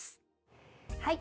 はい。